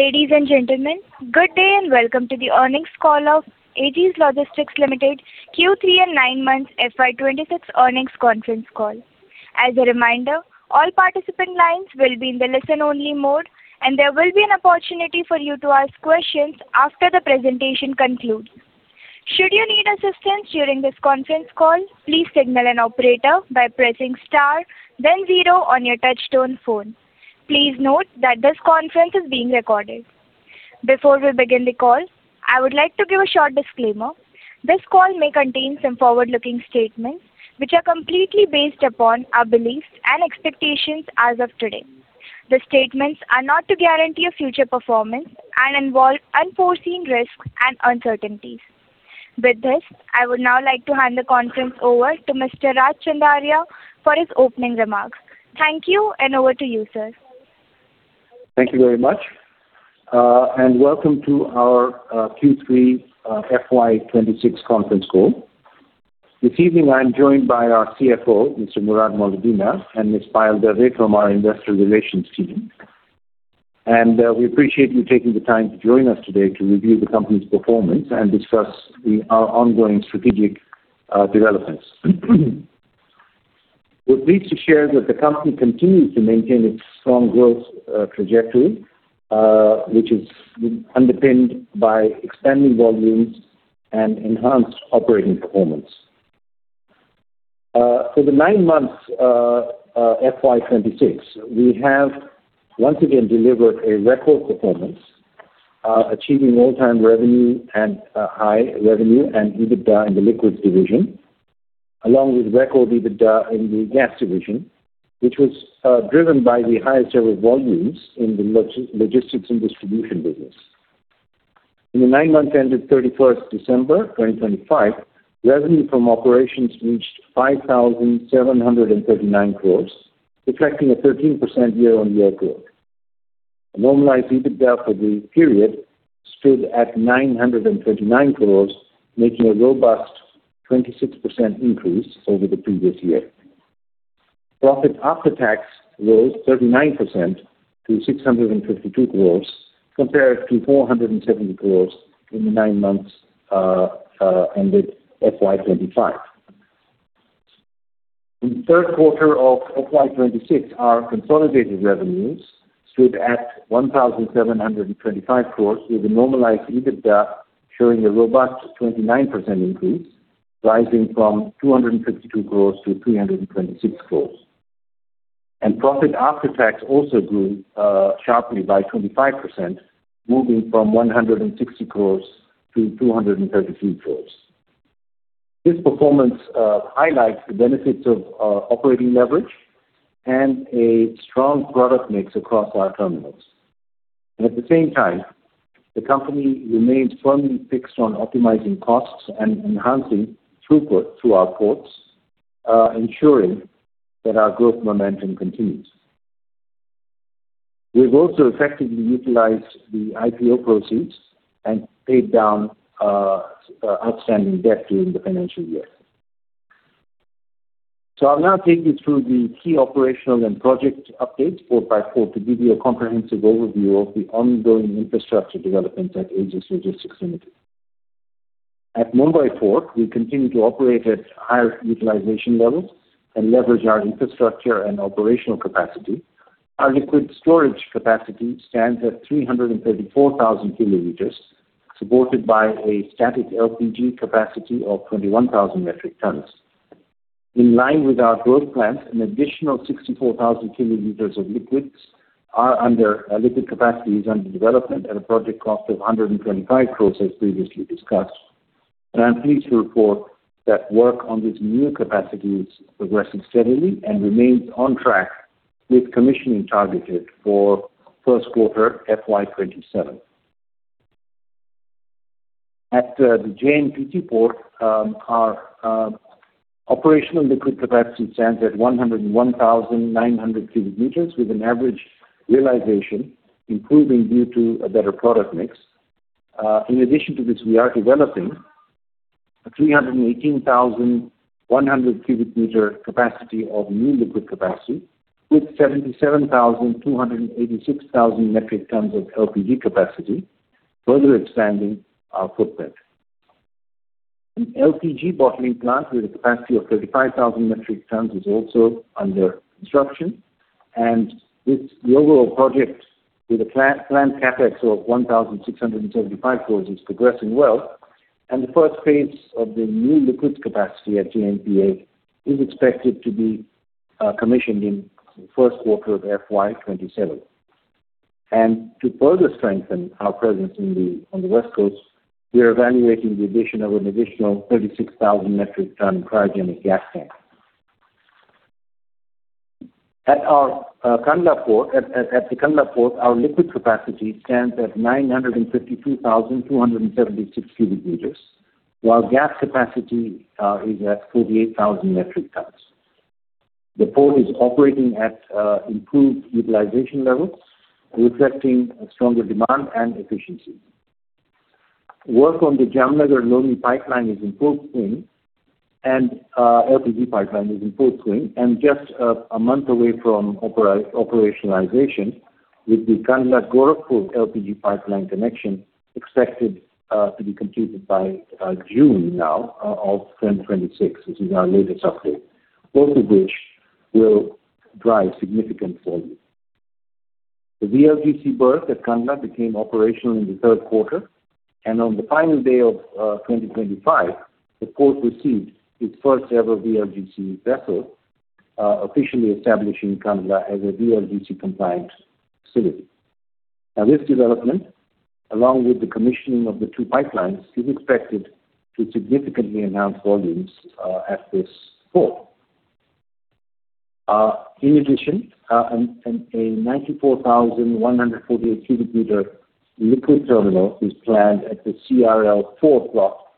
Ladies and gentlemen, good day, and welcome to the earnings call of Aegis Logistics Limited Q3 and 9 months FY 2026 Earnings Conference Call. As a reminder, all participant lines will be in the listen-only mode, and there will be an opportunity for you to ask questions after the presentation concludes. Should you need assistance during this conference call, please signal an operator by pressing star then zero on your touchtone phone. Please note that this conference is being recorded. Before we begin the call, I would like to give a short disclaimer. This call may contain some forward-looking statements, which are completely based upon our beliefs and expectations as of today. The statements are not to guarantee a future performance and involve unforeseen risks and uncertainties. With this, I would now like to hand the conference over to Mr. Raj Chandaria for his opening remarks. Thank you, and over to you, sir. Thank you very much, and welcome to our Q3 FY 2026 Conference Call. This evening, I'm joined by our CFO, Mr. Murad Moledina, and Ms. Payal Dave from our investor relations team. We appreciate you taking the time to join us today to review the company's performance and discuss our ongoing strategic developments. We're pleased to share that the company continues to maintain its strong growth trajectory, which is underpinned by expanding volumes and enhanced operating performance. For the nine months FY 2026, we have once again delivered a record performance, achieving all-time revenue and high revenue and EBITDA in the liquids division, along with record EBITDA in the gas division, which was driven by the highest ever volumes in the logistics and distribution business. In the nine months ended 31 December 2025, revenue from operations reached 5,739 crore, reflecting a 13% year-on-year growth. A normalized EBITDA for the period stood at 929 crore, making a robust 26% increase over the previous year. Profit after tax rose 39% to 652 crore, compared to 470 crore in the nine months ended FY 2025. In the third quarter of FY 2026, our consolidated revenues stood at 1,725 crore, with a normalized EBITDA showing a robust 29% increase, rising from 252 crore to 326 crore. Profit after tax also grew sharply by 25%, moving from 160 crore to 233 crore. This performance highlights the benefits of operating leverage and a strong product mix across our terminals. At the same time, the company remains firmly fixed on optimizing costs and enhancing throughput through our ports, ensuring that our growth momentum continues. We've also effectively utilized the IPO proceeds and paid down outstanding debt during the financial year. I'll now take you through the key operational and project updates port by port to give you a comprehensive overview of the ongoing infrastructure development at Aegis Logistics Limited. At Mumbai Port, we continue to operate at higher utilization levels and leverage our infrastructure and operational capacity. Our liquid storage capacity stands at 334,000 kiloliters, supported by a static LPG capacity of 21,000 metric tons. In line with our growth plans, an additional 64,000 kiloliters of liquids are under... Liquid capacity is under development at a project cost of 125 crore, as previously discussed. I'm pleased to report that work on these new capacities is progressing steadily and remains on track, with commissioning targeted for first quarter FY 2027. At the JNPT port, our operational liquid capacity stands at 101,900 cubic meters, with an average realization improving due to a better product mix. In addition to this, we are developing a 318,100 cubic meter capacity of new liquid capacity with 77,200 and 86,000 metric tons of LPG capacity, further expanding our footprint. An LPG bottling plant with a capacity of 35,000 metric tons is also under construction, and this, the overall project with a planned CapEx of 1,675 crore is progressing well. The first phase of the new liquid capacity at JNPA is expected to be commissioned in first quarter of FY 2027. To further strengthen our presence on the West Coast, we are evaluating the addition of an additional 36,000 metric ton cryogenic gas tank. At our Kandla port, our liquid capacity stands at 952,276 cubic meters, while gas capacity is at 48,000 metric tons. The port is operating at improved utilization levels, reflecting a stronger demand and efficiency. Work on the Jamnagar-Loni pipeline is in full swing, and LPG pipeline is in full swing and just a month away from operationalization, with the Kandla-Gorakhpur LPG pipeline connection expected to be completed by June now of 2026. This is our latest update, both of which will drive significant volume. The VLGC berth at Kandla became operational in the third quarter, and on the final day of 2025, the port received its first-ever VLGC vessel officially establishing Kandla as a VLGC-compliant facility. Now, this development, along with the commissioning of the two pipelines, is expected to significantly enhance volumes at this port. In addition, a 94,148 cubic meter liquid terminal is planned at the DRL4 plot and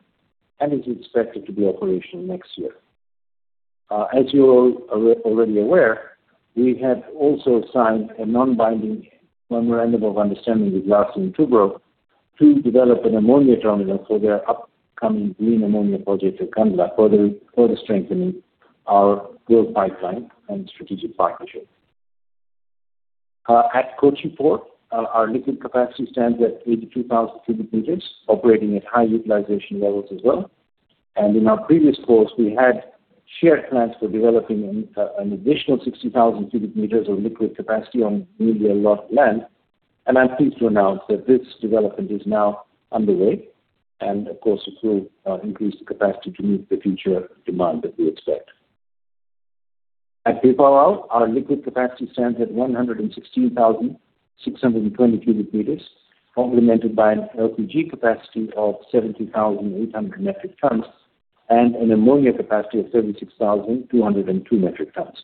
is expected to be operational next year. As you are already aware, we have also signed a non-binding memorandum of understanding with Larsen & Toubro to develop an ammonia terminal for their upcoming green ammonia project at Kandla, further strengthening our growth pipeline and strategic partnership. At Kochi Port, our liquid capacity stands at 82,000 cubic meters, operating at high utilization levels as well. In our previous calls, we had shared plans for developing an additional 60,000 cubic meters of liquid capacity on nearby lot of land, and I'm pleased to announce that this development is now underway, and of course, it will increase the capacity to meet the future demand that we expect. At Pipavav, our liquid capacity stands at 116,620 cubic meters, complemented by an LPG capacity of 70,800 metric tons and an ammonia capacity of 36,202 metric tons.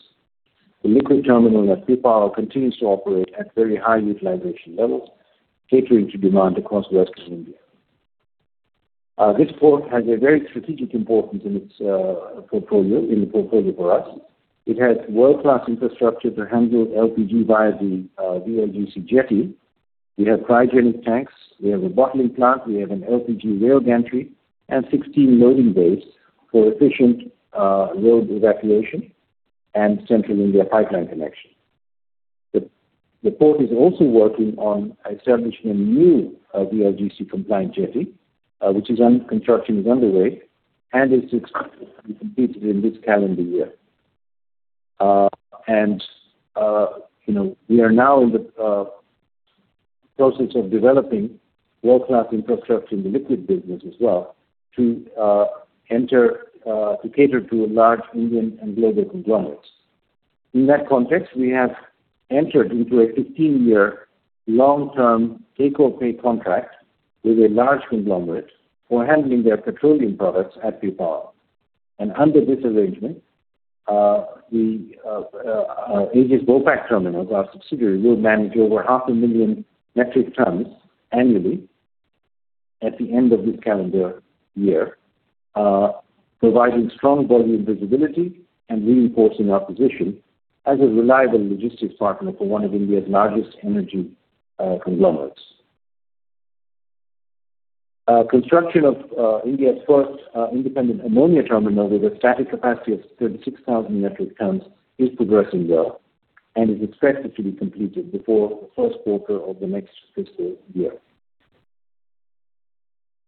The liquid terminal at Pipavav continues to operate at very high utilization levels, catering to demand across western India. This port has a very strategic importance in its portfolio, in the portfolio for us. It has world-class infrastructure to handle LPG via the VLGC jetty. We have cryogenic tanks, we have a bottling plant, we have an LPG rail gantry, and 16 loading bays for efficient road evacuation and central India pipeline connection. The port is also working on establishing a new VLGC-compliant jetty, which is under construction and is expected to be completed in this calendar year. You know, we are now in the process of developing world-class infrastructure in the liquid business as well to enter to cater to large Indian and global conglomerates. In that context, we have entered into a 15-year long-term take-or-pay contract with a large conglomerate for handling their petroleum products at Pipavav. Under this arrangement, the Aegis Vopak Terminal, our subsidiary, will manage over 500,000 metric tons annually at the end of this calendar year, providing strong volume visibility and reinforcing our position as a reliable logistics partner for one of India's largest energy conglomerates. Construction of India's first independent ammonia terminal with a static capacity of 36,000 metric tons is progressing well and is expected to be completed before the first quarter of the next fiscal year.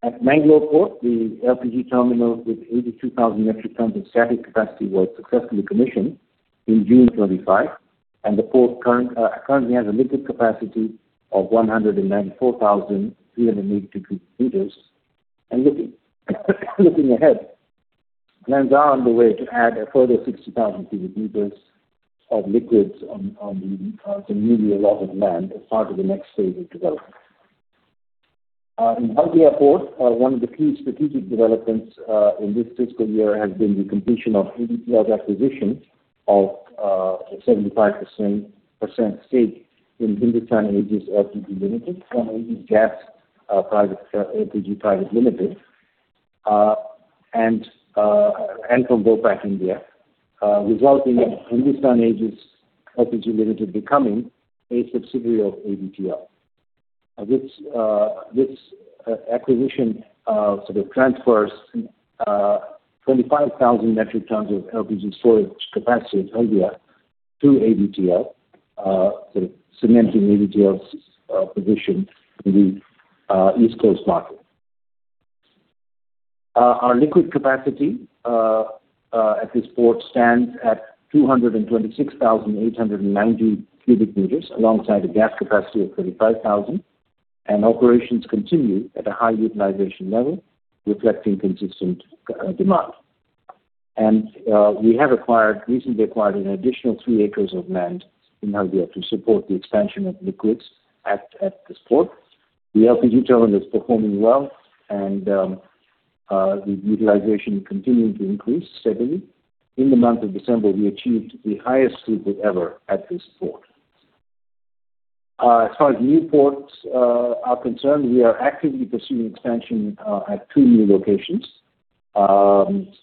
At Mangalore Port, the LPG terminal, with 82,000 metric tons of static capacity, was successfully commissioned in June 2025, and the port currently has a liquid capacity of 194,380 cubic meters. Looking ahead, plans are underway to add a further 60,000 cubic meters of liquids on the nearby lot of land as part of the next phase of development. In Haldia Port, one of the key strategic developments in this fiscal year has been the completion of AVTL's acquisition of a 75% stake in Hindustan Aegis LPG Limited, from Aegis Gas LPG Private Limited and from Vopak India, resulting in Hindustan Aegis LPG Limited becoming a subsidiary of AVTL. This acquisition sort of transfers 25,000 metric tons of LPG storage capacity at Haldia to AVTL, sort of cementing AVTL's position in the East Coast market. Our liquid capacity at this port stands at 226,890 cubic meters, alongside a gas capacity of 35,000, and operations continue at a high utilization level, reflecting consistent demand. We have recently acquired an additional 3 acres of land in Haldia to support the expansion of liquids at this port. The LPG terminal is performing well and the utilization continuing to increase steadily. In the month of December, we achieved the highest throughput ever at this port. As far as new ports are concerned, we are actively pursuing expansion at 2 new locations....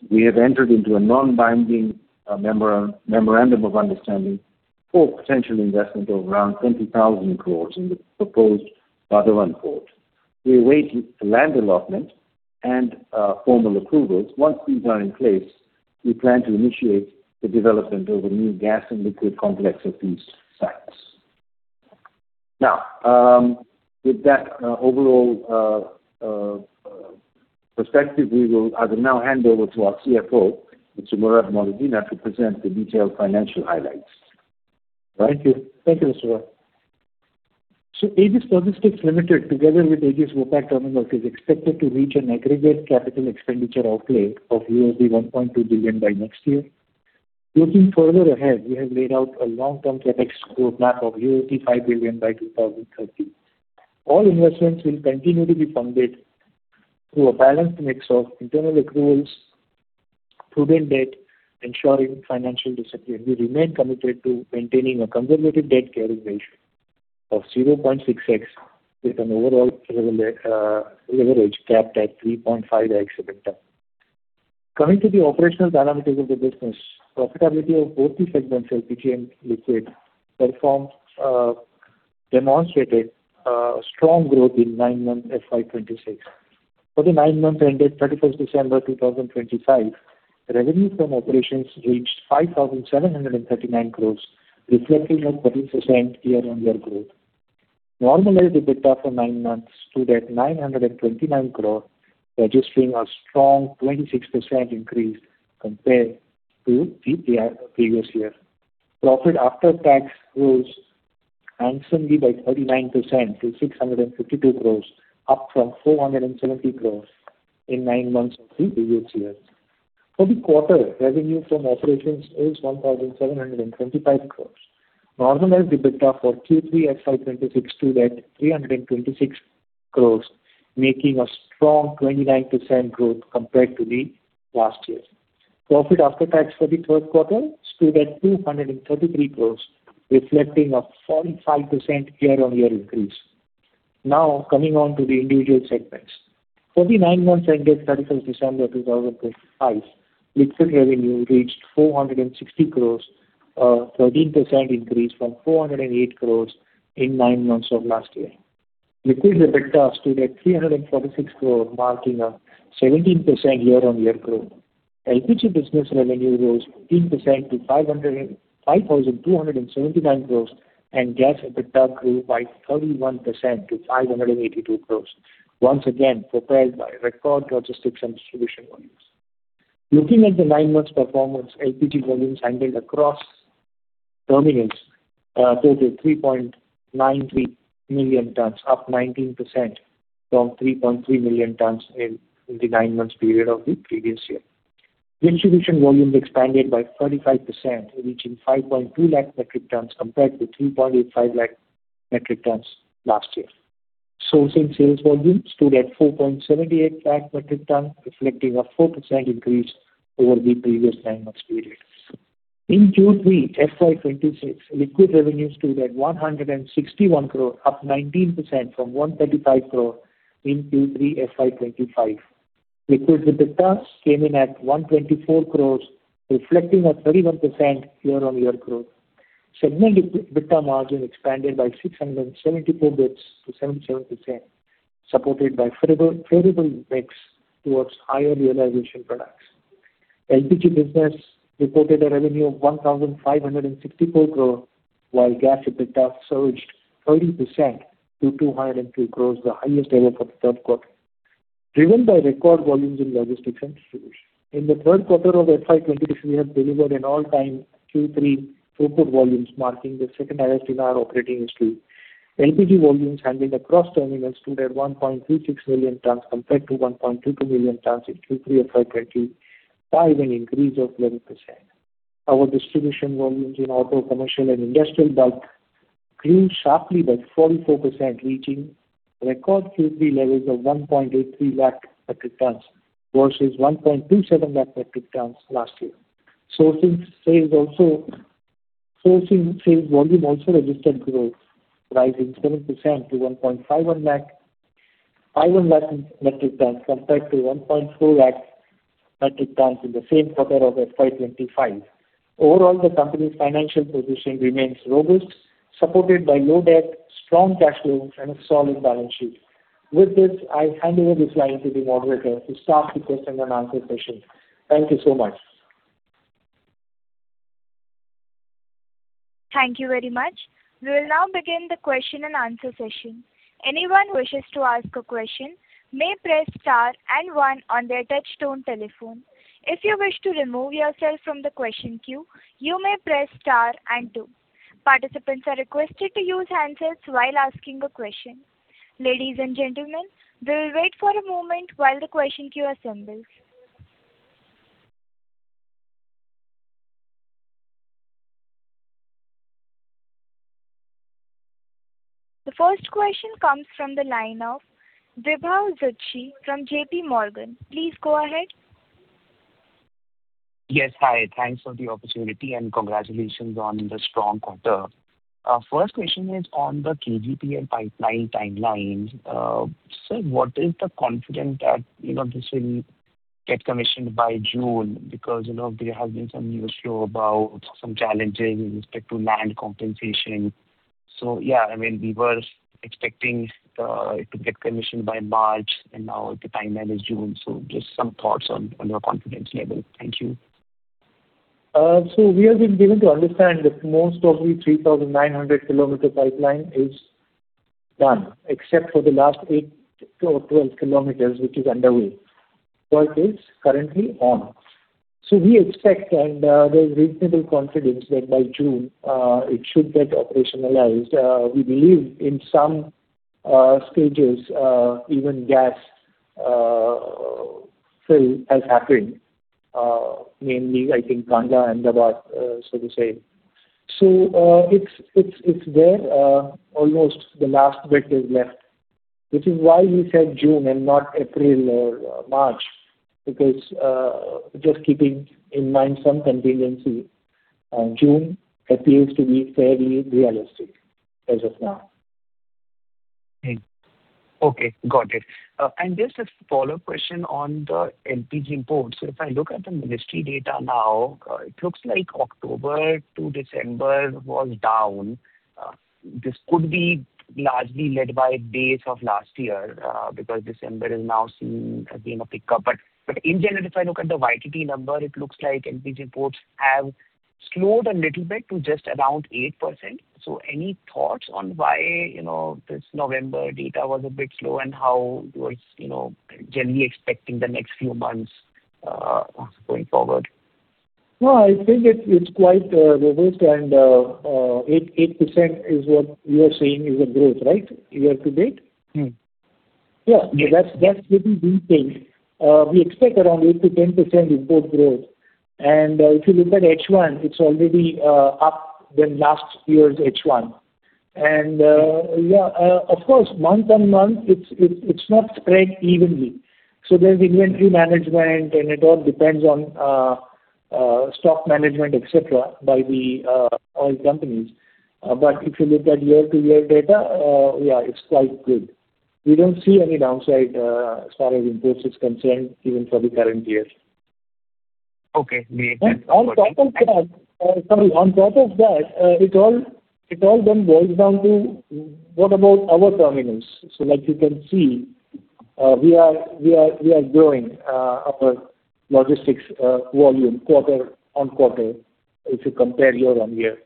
We have entered into a non-binding memorandum of understanding for potential investment of around 20,000 crore in the proposed Vadhavan Port. We await the land allotment and formal approvals. Once these are in place, we plan to initiate the development of a new gas and liquid complex at these sites. Now, with that overall perspective, I will now hand over to our CFO, Murad Moledina, to present the detailed financial highlights. Thank you. Thank you, Mr. Raj. So Aegis Logistics Limited, together with Aegis Vopak Terminals Limited, is expected to reach an aggregate capital expenditure outlay of INR 1.2 billion by next year. Looking further ahead, we have laid out a long-term CapEx roadmap of 5 billion by 2030. All investments will continue to be funded through a balanced mix of internal accruals, prudent debt, ensuring financial discipline. We remain committed to maintaining a conservative debt carrying ratio of 0.6x, with an overall, leverage capped at 3.5x EBITDA. Coming to the operational parameters of the business, profitability of both the segments, LPG and liquid, performed, demonstrated, strong growth in nine months FY 2026. For the 9 months ended December 31, 2025, revenue from operations reached 5,739 crore, reflecting a 30% year-on-year growth. Normalized EBITDA for 9 months stood at 929 crore, registering a strong 26% increase compared to the previous year. Profit after tax rose handsomely by 39% to 652 crore, up from 470 crore in 9 months of the previous year. For the quarter, revenue from operations is 1,725 crore. Normalized EBITDA for Q3 FY26 stood at 326 crore, making a strong 29% growth compared to the last year. Profit after tax for the third quarter stood at 233 crore, reflecting a 45% year-on-year increase. Now, coming on to the individual segments. For the nine months ended thirty-first December 2025, liquid revenue reached 460 crore, a 13% increase from 408 crore in nine months of last year. Liquid EBITDA stood at 346 crore, marking a 17% year-on-year growth. LPG business revenue rose 15% to 5,279 crore, and gas EBITDA grew by 31% to 582 crore, once again propelled by record logistics and distribution volumes. Looking at the nine months performance, LPG volumes handled across terminals totaled 3.93 million tons, up 19% from 3.3 million tons in the nine months period of the previous year. Distribution volumes expanded by 35%, reaching 5.2 lakh metric tons, compared to 3.85 lakh metric tons last year. Sourcing sales volumes stood at 4.78 lakh metric tons, reflecting a 4% increase over the previous nine months period. In Q3 FY 2026, liquid revenue stood at 161 crore, up 19% from 135 crore in Q3 FY 2025. Liquid EBITDA came in at 124 crore, reflecting a 31% year-on-year growth. Segment EBITDA margin expanded by 674 basis points to 77%, supported by favorable mix towards higher realization products. LPG business reported a revenue of 1,564 crore, while gas EBITDA surged 30% to 202 crore, the highest ever for the third quarter, driven by record volumes in logistics and distribution. In the third quarter of FY 2026, we have delivered an all-time Q3 throughput volumes, marking the second highest in our operating history. LPG volumes handled across terminals stood at 1.36 million tons, compared to 1.22 million tons in Q3 FY 2020, by an increase of 11%. Our distribution volumes in auto, commercial, and industrial bulk grew sharply by 44%, reaching record Q3 levels of 1.83 lakh metric tons versus 1.27 lakh metric tons last year. Sourcing sales volume also registered growth, rising 7% to 1.51 lakh metric tons, compared to 1.4 lakh metric tons in the same quarter of FY 2025. Overall, the company's financial position remains robust, supported by low debt, strong cash flows, and a solid balance sheet. With this, I hand over the slide to the moderator to start the question and answer session. Thank you so much. Thank you very much. We will now begin the question and answer session. Anyone who wishes to ask a question may press star and one on their touchtone telephone. If you wish to remove yourself from the question queue, you may press star and two. Participants are requested to use handsets while asking a question. Ladies and gentlemen, we will wait for a moment while the question queue assembles. The first question comes from the line of Vibhav Zutshi from JPMorgan. Please go ahead.... Yes, hi. Thanks for the opportunity, and congratulations on the strong quarter. First question is on the KGPL pipeline timelines. So what is the confidence that, you know, this will get commissioned by June? Because, you know, there has been some news flow about some challenges with respect to land compensation. So yeah, I mean, we were expecting it to get commissioned by March, and now the timeline is June. So just some thoughts on your confidence level. Thank you. So we have been given to understand that most of the 3,900 km pipeline is done, except for the last 8 km-12 km, which is underway. Work is currently on. So we expect, and, there's reasonable confidence that by June, it should get operationalized. We believe in some stages, even gas fill has happened, mainly I think Kandla, Ahmedabad, so to say. So, it's there, almost the last bit is left, which is why we said June and not April or March, because, just keeping in mind some contingency, June appears to be fairly realistic as of now. Okay. Got it. And just a follow-up question on the LPG imports. So if I look at the ministry data now, it looks like October to December was down. This could be largely led by base of last year, because December is now seeing, again, a pickup. But in general, if I look at the YTD number, it looks like LPG imports have slowed a little bit to just around 8%. So any thoughts on why, you know, this November data was a bit slow, and how was, you know, generally expecting the next few months, going forward? No, I think it's quite robust and 8% is what you are saying is the growth, right? Year to date? Mm-hmm. Yeah, that's what we think. We expect around 8%-10% import growth. And, if you look at H1, it's already up than last year's H1. And, yeah, of course, month-on-month, it's not spread evenly. So there's inventory management, and it all depends on stock management, et cetera, by the oil companies. But if you look at year-to-year data, yeah, it's quite good. We don't see any downside as far as imports is concerned, even for the current year. Okay, great. And on top of that, sorry, on top of that, it all then boils down to what about our terminals? So like you can see, we are growing our logistics volume quarter-on-quarter, if you compare year-on-year.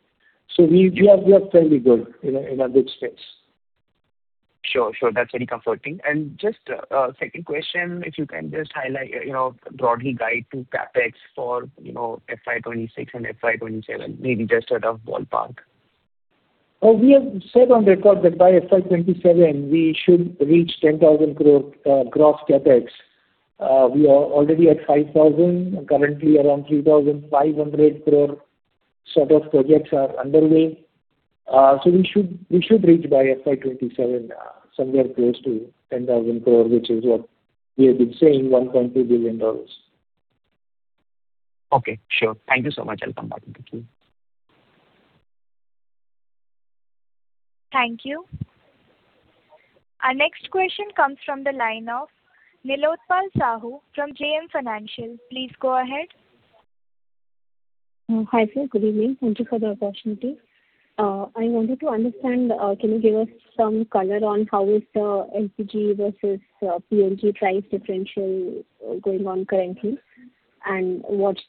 So we are fairly good, in a good space. Sure, sure. That's very comforting. And just a second question, if you can just highlight, you know, broadly guide to CapEx for, you know, FY 2026 and FY 2027, maybe just sort of ballpark. We have said on record that by FY 2027, we should reach 10,000 crore gross CapEx. We are already at 5,000 crore; currently around 3,500 crore sort of projects are underway. So we should, we should reach by FY 2027, somewhere close to 10,000 crore, which is what we have been saying, $1.2 billion. Okay, sure. Thank you so much. I'll come back to you. Thank you. Our next question comes from the line of Neelotpal Sahu from JM Financial. Please go ahead. Hi, sir. Good evening. Thank you for the opportunity. I wanted to understand, can you give us some color on how is the LPG versus PNG price differential going on currently? And what does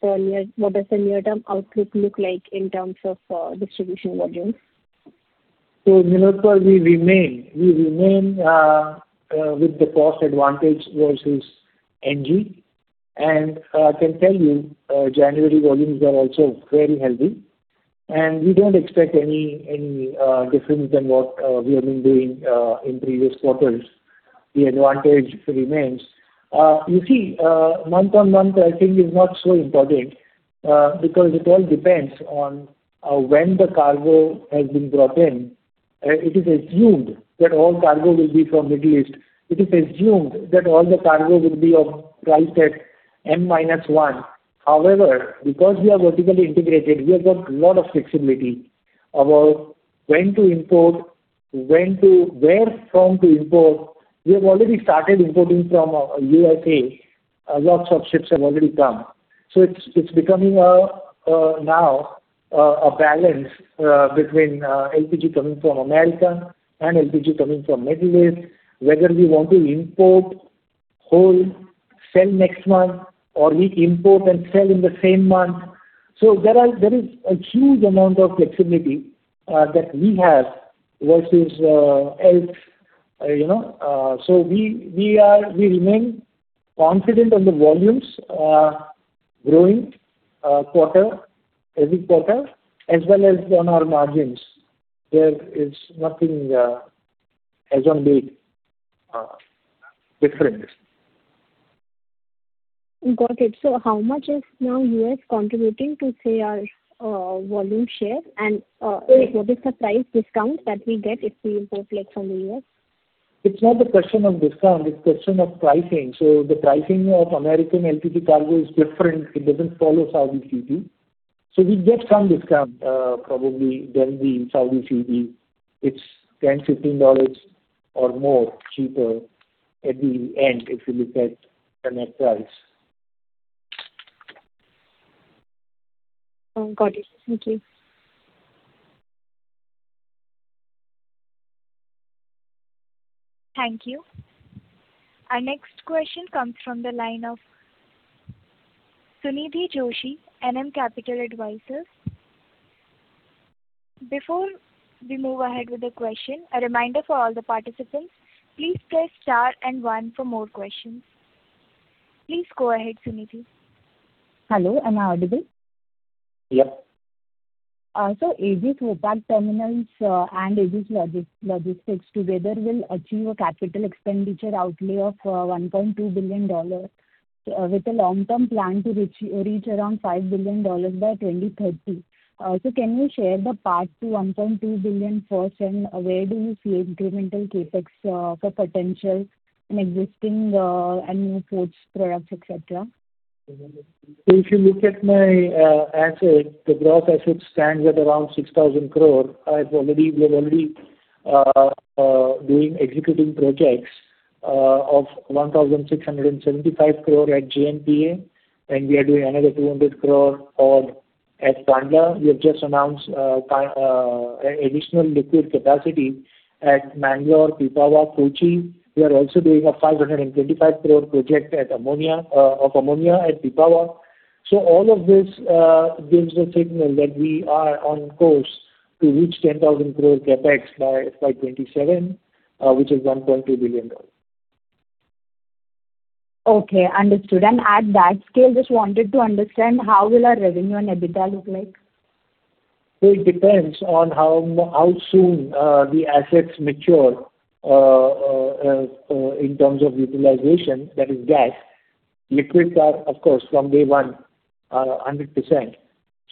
the near-term outlook look like in terms of distribution volumes? So, Nilotpal, we remain with the cost advantage versus NG. And, I can tell you, January volumes are also very healthy, and we don't expect any difference than what we have been doing in previous quarters. The advantage remains. You see, month-on-month, I think is not so important, because it all depends on when the cargo has been brought in. It is assumed that all cargo will be from Middle East. It is assumed that all the cargo will be priced at M minus one. However, because we are vertically integrated, we have got a lot of flexibility about when to import, when to, where from to import. We have already started importing from USA. Lots of ships have already come. It's becoming now a balance between LPG coming from America and LPG coming from Middle East, whether we want to import, hold, sell next month, or we import and sell in the same month. So there is a huge amount of flexibility that we have versus else, you know. So we remain confident on the volumes growing every quarter, as well as on our margins. There is nothing as on the difference. Got it. So how much is now U.S. contributing to, say, our volume share? And, what is the price discount that we get if we import like from the U.S.? ...It's not a question of discount, it's question of pricing. So the pricing of American LPG cargo is different. It doesn't follow Saudi CP. So we get some discount, probably than the Saudi CP. It's $10-$15 or more cheaper at the end if you look at the net price. Got it. Thank you. Thank you. Our next question comes from the line of Sunidhi Joshi, NM Capital Advisors. Before we move ahead with the question, a reminder for all the participants, please press star and one for more questions. Please go ahead, Sunidhi. Hello, am I audible? Yep. So Aegis Vopak Terminals and Aegis Logistics together will achieve a capital expenditure outlay of $1.2 billion with a long-term plan to reach around $5 billion by 2030. So can you share the path to $1.2 billion first, and where do you see incremental CapEx for potential in existing and new ports, products, et cetera? So if you look at my assets, the gross assets stand at around 6,000 crore. I've already, we're already doing executing projects of 1,675 crore at JNPA, and we are doing another 200 crore on at Kandla. We have just announced a additional liquid capacity at Mangalore, Pipavav, Kochi. We are also doing a 525 crore project at ammonia of ammonia at Pipavav. So all of this gives a signal that we are on course to reach 10,000 crore CapEx by 2027, which is $1.2 billion. Okay, understood. And at that scale, just wanted to understand how will our revenue and EBITDA look like? So it depends on how soon the assets mature in terms of utilization, that is gas. Liquids are, of course, from day one, 100%.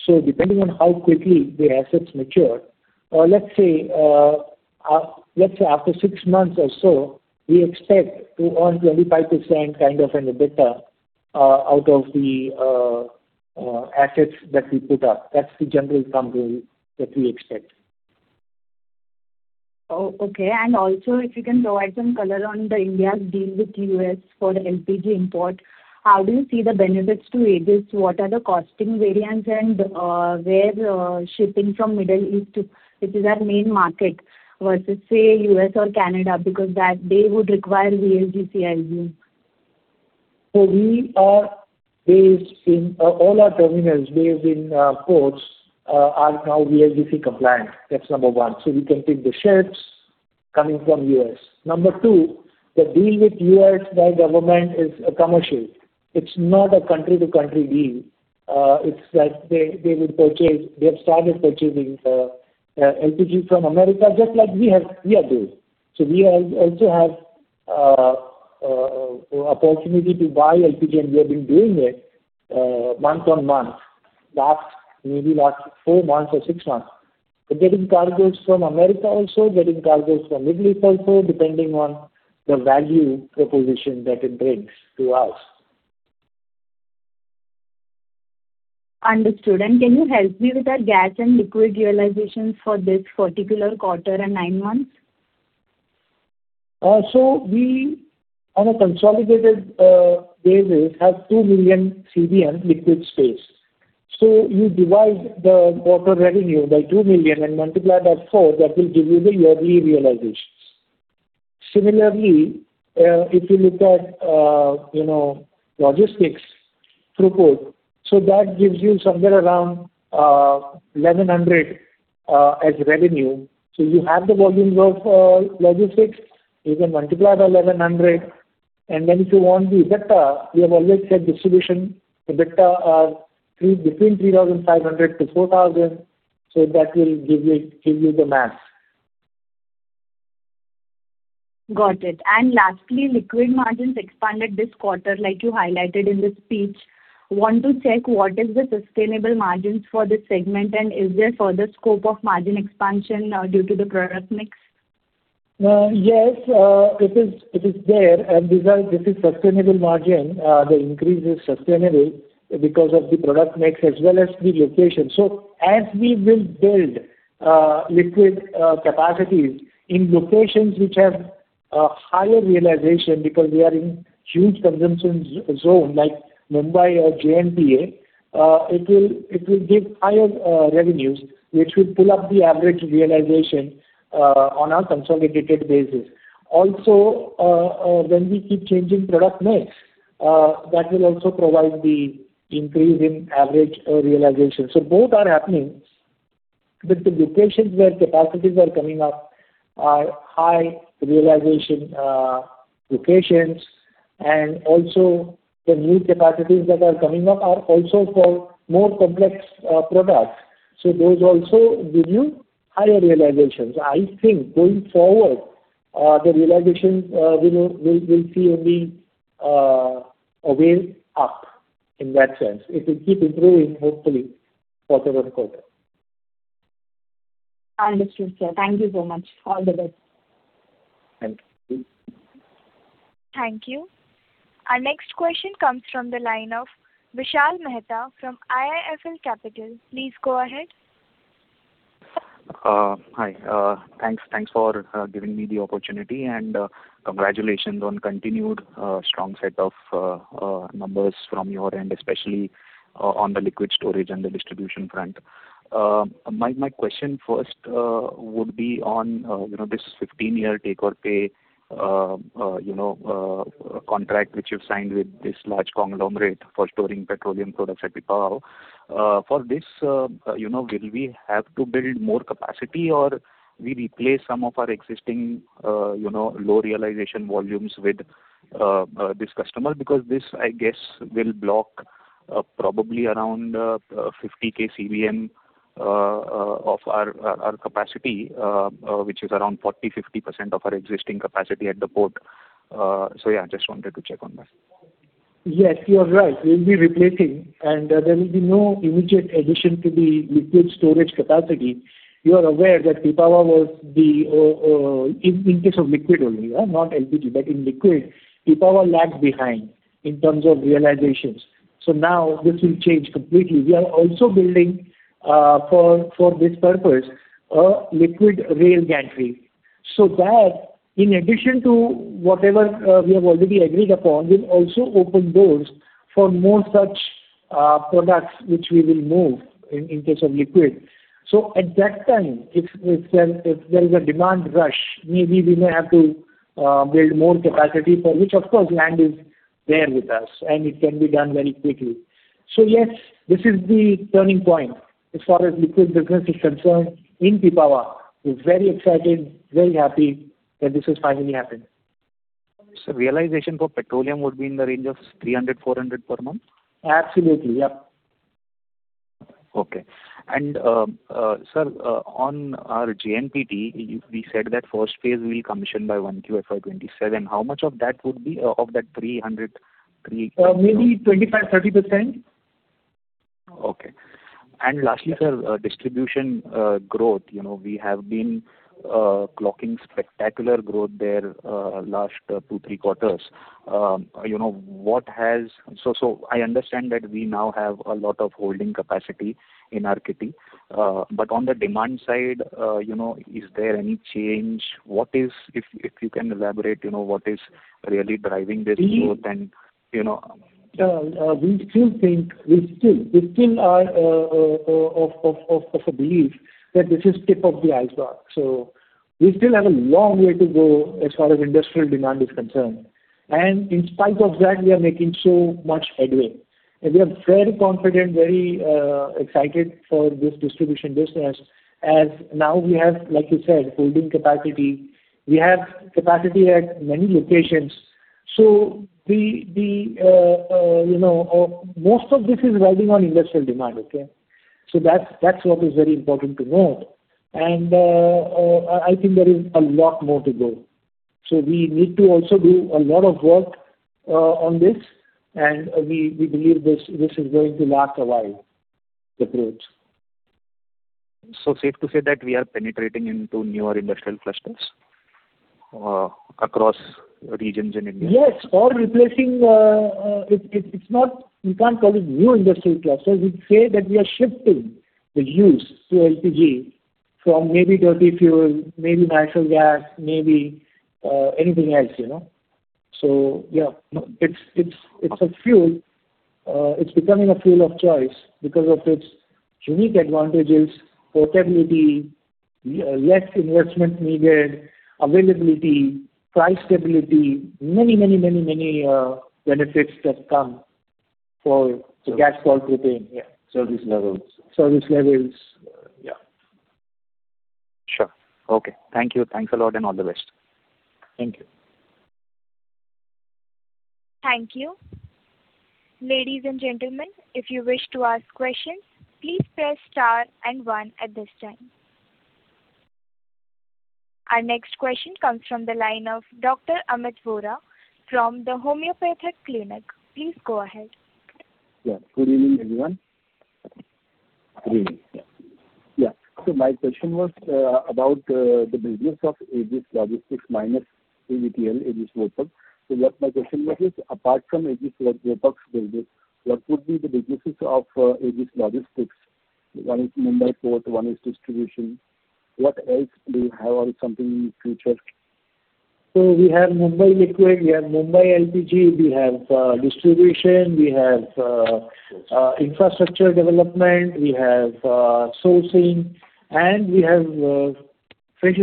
So depending on how quickly the assets mature, or let's say, after six months or so, we expect to earn 25% kind of an EBITDA out of the assets that we put up. That's the general thumb rule that we expect. Oh, okay. And also, if you can provide some color on the India's deal with U.S. for the LPG import. How do you see the benefits to Aegis? What are the costing variants and where shipping from Middle East, which is our main market, versus, say, U.S. or Canada, because that, they would require VLGC, I believe. So we are based in... All our terminals based in ports are now VLGC compliant. That's number one. So we can take the ships coming from U.S. Number two, the deal with U.S. by government is a commercial. It's not a country-to-country deal. It's like they, they would purchase, they have started purchasing LPG from America, just like we have, we are doing. So we also have opportunity to buy LPG, and we have been doing it month on month, last, maybe last four months or six months. We're getting cargoes from America also, getting cargoes from Middle East also, depending on the value proposition that it brings to us. Understood. Can you help me with our gas and liquid realizations for this particular quarter and nine months? So we, on a consolidated, basis, have 2 million CBM liquid space. So you divide the quarter revenue by 2 million and multiply by 4, that will give you the yearly realizations. Similarly, if you look at, you know, logistics throughput, so that gives you somewhere around, 1,100, as revenue. So you have the volumes of, logistics. You can multiply the 1,100, and then if you want the EBITDA, we have always said distribution EBITDA are three, between 3,500-4,000, so that will give you, give you the math. Got it. And lastly, liquid margins expanded this quarter, like you highlighted in the speech. Want to check what is the sustainable margins for this segment, and is there further scope of margin expansion, due to the product mix? Yes, it is, it is there, and these are, this is sustainable margin. The increase is sustainable because of the product mix as well as the location. So as we will build, liquid, capacities in locations which have, higher realization because we are in huge consumption zone, like Mumbai or JNPA, it will, it will give higher, revenues, which will pull up the average realization, on a consolidated basis. Also, when we keep changing product mix, that will also provide the increase in average, realization. So both are happening. With the locations where capacities are coming up are high realization, locations, and also the new capacities that are coming up are also for more complex, products. So those also give you higher realizations. I think going forward, the realizations, you know, will see only again up in that sense. It will keep improving, hopefully, quarter on quarter.... Understood, sir. Thank you so much. All the best. Thank you. Thank you. Our next question comes from the line of Vishal Mehta from IIFL Capital. Please go ahead. Hi. Thanks, thanks for giving me the opportunity, and, congratulations on continued strong set of numbers from your end, especially on the liquid storage and the distribution front. My question first would be on, you know, this 15-year take or pay, you know, contract which you've signed with this large conglomerate for storing petroleum products at Pipavav. For this, you know, will we have to build more capacity, or we replace some of our existing, you know, low realization volumes with this customer? Because this, I guess, will block probably around 50,000 CBM of our capacity, which is around 40%-50% of our existing capacity at the port. So yeah, just wanted to check on that. Yes, you are right. We'll be replacing, and there will be no immediate addition to the liquid storage capacity. You are aware that Pipavav was the, in case of liquid only, not LPG, but in liquid, Pipavav lags behind in terms of realizations. So now this will change completely. We are also building, for this purpose, a liquid rail gantry. So that, in addition to whatever we have already agreed upon, will also open doors for more such products which we will move in, in case of liquid. So at that time, if there is a demand rush, maybe we may have to build more capacity, for which of course land is there with us, and it can be done very quickly. So yes, this is the turning point as far as liquid business is concerned in Pipavav. We're very excited, very happy that this has finally happened. Realization for petroleum would be in the range of 300-400 per month? Absolutely. Yep. Okay. And, sir, on our JNPT, we said that first phase will be commissioned by 1Q FY 2027. How much of that would be, of that 300, 3- Maybe 25%-30%. Okay. And lastly, sir, distribution growth. You know, we have been clocking spectacular growth there, last two, three quarters. You know, so I understand that we now have a lot of holding capacity in our kitty. But on the demand side, you know, is there any change? What is, if you can elaborate, you know, what is really driving this growth- We- You know. We still think we still are of a belief that this is tip of the iceberg. So we still have a long way to go as far as industrial demand is concerned. And in spite of that, we are making so much headway, and we are very confident, very excited for this distribution business, as now we have, like you said, holding capacity. We have capacity at many locations. So, you know, most of this is riding on industrial demand, okay? So that's what is very important to note. And I think there is a lot more to go. So we need to also do a lot of work on this, and we believe this is going to last a while, the growth. Safe to say that we are penetrating into newer industrial clusters across regions in India? Yes, or replacing. It's not, we can't call it new industrial clusters. We'd say that we are shifting the use to LPG from maybe dirty fuel, maybe natural gas, maybe anything else, you know? So yeah. No, it's a fuel, it's becoming a fuel of choice because of its unique advantages, portability, less investment needed, availability, price stability, many, many, many, many benefits that come for the gas called propane. Yeah. Service levels. Service levels, yeah. Sure. Okay. Thank you. Thanks a lot, and all the best. Thank you. Thank you. Ladies and gentlemen, if you wish to ask questions, please press star and one at this time. Our next question comes from the line of Dr. Amit Vora from The Homeopathic Clinic. Please go ahead. Yeah. Good evening, everyone. Good evening, yeah. Yeah, so my question was about the business of Aegis Logistics minus AVTL, Aegis Vopak. So what my question was is, apart from Aegis Vopak business, what would be the businesses of Aegis Logistics? One is Mumbai Port, one is distribution. What else do you have or something in the future? So we have Mumbai Liquid, we have Mumbai LPG, we have distribution, we have... Distribution... infrastructure development, we have sourcing, and we have freight.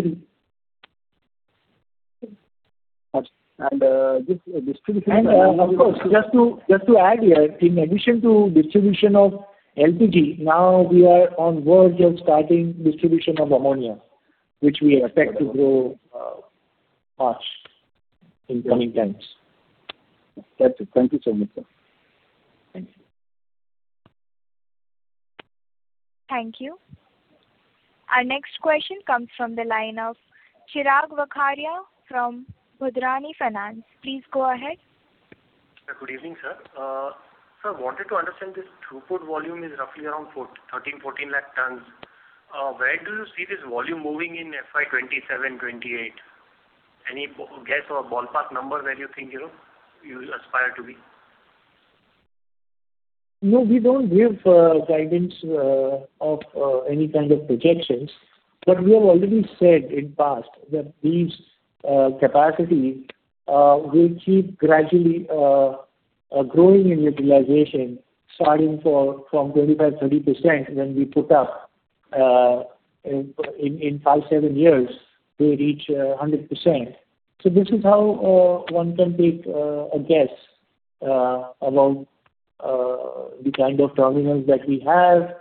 And, this distribution- Of course, just to, just to add here, in addition to distribution of LPG, now we are on verge of starting distribution of ammonia, which we expect to grow large in coming times. That's it. Thank you so much, sir. Thank you. Thank you. Our next question comes from the line of Chirag Vakharia from Budhrani Finance. Please go ahead.... Sir, good evening, sir. Sir, I wanted to understand this throughput volume is roughly around INK 413, 414 lakh tons. Where do you see this volume moving in FY 2027, 2028? Any guess or ballpark number where you think, you know, you aspire to be? No, we don't give guidance of any kind of projections. But we have already said in past that these capacity will keep gradually growing in utilization, starting from 25%-30% when we put up in 5-7 years to reach 100%. So this is how one can take a guess about the kind of terminals that we have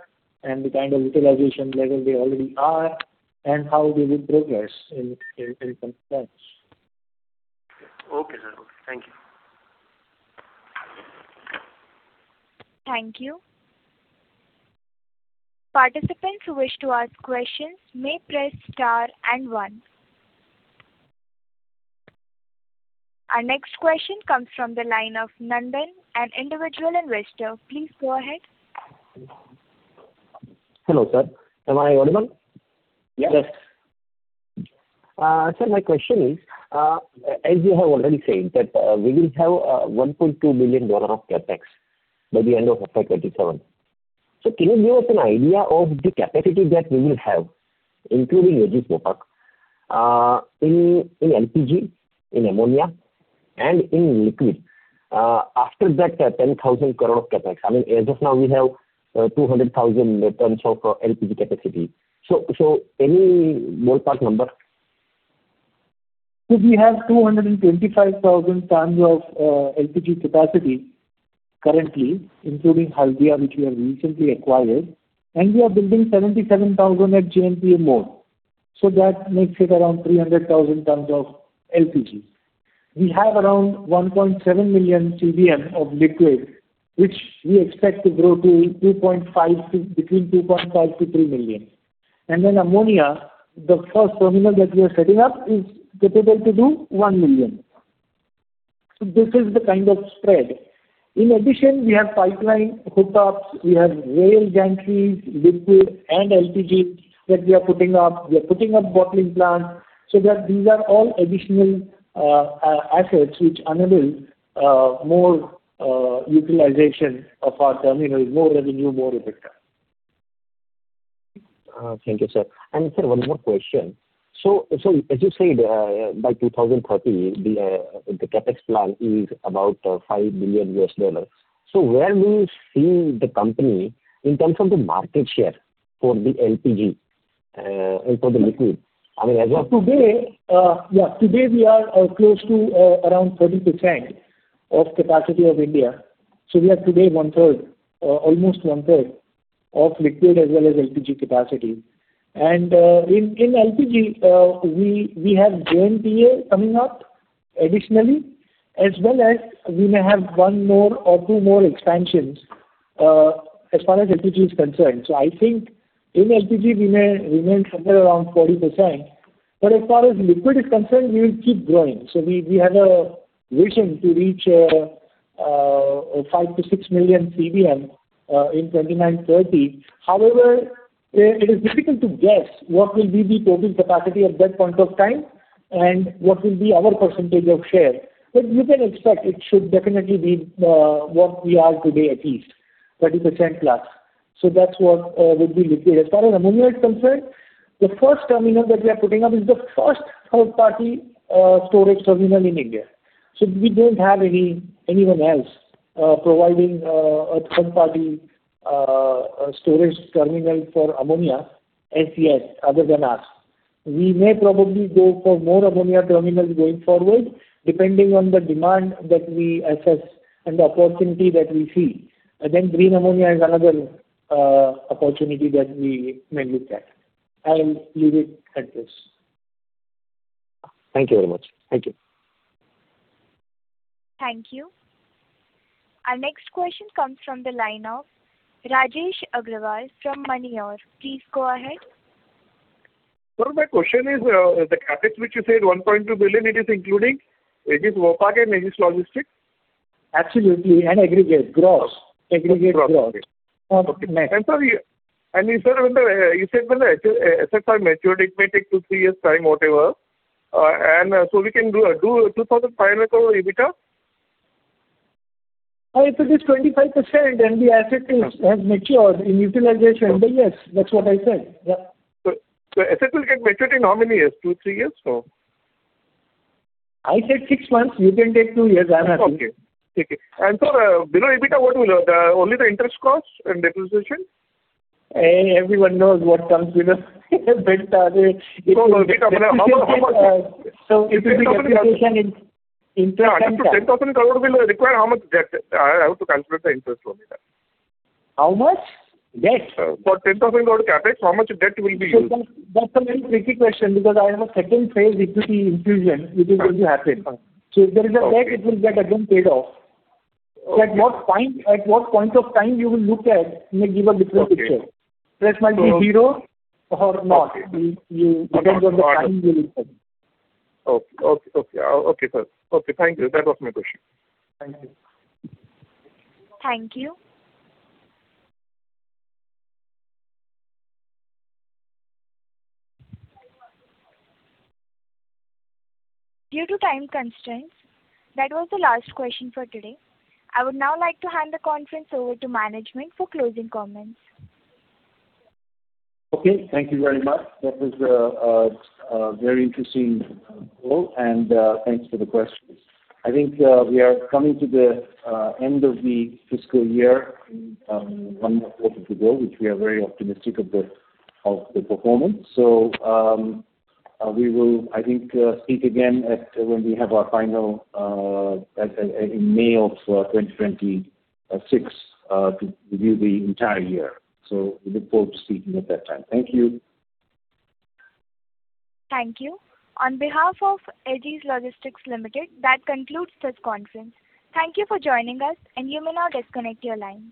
and the kind of utilization level they already are, and how they will progress in some sense. Okay, sir. Thank you. Thank you. Participants who wish to ask questions may press star and one. Our next question comes from the line of Nandan, an individual investor. Please go ahead. Hello, sir. Am I audible? Yes. Sir, my question is, as you have already said, that we will have $1.2 billion of CapEx by the end of FY 2027. So can you give us an idea of the capacity that we will have, including Aegis Vopak, in LPG, in ammonia, and in liquid? After that 10,000 crore CapEx, I mean, as of now, we have 200,000 in terms of LPG capacity. So any ballpark number? So we have 225,000 tons of LPG capacity currently, including Haldia, which we have recently acquired, and we are building 77,000 at JNPA more. So that makes it around 300,000 tons of LPG. We have around 1.7 million CBM of liquid, which we expect to grow to 2.5, to between 2.5 million-3 million. And then ammonia, the first terminal that we are setting up is capable to do 1 million. So this is the kind of spread. In addition, we have pipeline hookups, we have rail gantries, liquid and LPG that we are putting up. We are putting up bottling plant, so that these are all additional assets which enable more utilization of our terminals, more revenue, more EBITDA. Thank you, sir. And sir, one more question. So, as you said, by 2030, the CapEx plan is about $5 billion. So where do you see the company in terms of the market share for the LPG and for the liquid? I mean, as of- Today, today we are close to around 40% of capacity of India. So we are today one-third, almost one-third of liquid, as well as LPG capacity. And, in, in LPG, we, we have JNPA coming up additionally, as well as we may have one more or two more expansions, as far as LPG is concerned. So I think in LPG, we may remain somewhere around 40%, but as far as liquid is concerned, we will keep growing. So we, we have a vision to reach, five to six million CBM, in 2029, 2030. However, it is difficult to guess what will be the total capacity at that point of time and what will be our percentage of share. But you can expect it should definitely be, what we are today, at least, 30% plus. So that's what would be liquid. As far as ammonia is concerned, the first terminal that we are putting up is the first third party storage terminal in India. So we don't have any, anyone else providing a third-party storage terminal for ammonia, SCS, other than us. We may probably go for more ammonia terminals going forward, depending on the demand that we assess and the opportunity that we see. Then green ammonia is another opportunity that we may look at. I will leave it at this. Thank you very much. Thank you. Thank you. Our next question comes from the line of Rajesh Agarwal from Moneyore. Please go ahead. Sir, my question is, the CapEx, which you said 1.2 billion, it is including Aegis Vopak and Aegis Logistics? Absolutely, and aggregate, gross. Aggregate gross. Okay. And sir, you... And you, sir, you said that the assets are matured, it may take 2-3 years' time, whatever. And so we can do an 2,500 crore EBITDA? If it is 25%, then the asset is, has matured in utilization by years. That's what I said. Yeah. So, assets will get matured in how many years? 2, 3 years, or? I said 6 months, you can take 2 years, I'm happy. Okay. Take it. And so, below EBITDA, what will only the interest cost and depreciation? Everyone knows what comes with the EBITDA. EBITDA, how much, how much? So it will be depreciation in. INR 10,000 crore will require how much debt? I have to calculate the interest only that. How much? Debt. For 10,000 crore CapEx, how much debt will be used? That's a very tricky question, because I have a second phase equity infusion, which is going to happen. Uh. If there is a debt, it will get again paid off. Okay. At what point, at what point of time you will look at, may give a different picture. Okay. This might be zero or not. Okay. Depends on the time you look at. Okay. Okay, okay. Okay, sir. Okay, thank you. That was my question. Thank you. Thank you. Due to time constraints, that was the last question for today. I would now like to hand the conference over to management for closing comments. Okay, thank you very much. That was a very interesting call, and thanks for the questions. I think we are coming to the end of the fiscal year, one more quarter to go, which we are very optimistic of the performance. So, we will, I think, speak again at when we have our final in May of 2026 to review the entire year. So we look forward to speaking at that time. Thank you. Thank you. On behalf of Aegis Logistics Limited, that concludes this conference. Thank you for joining us, and you may now disconnect your line.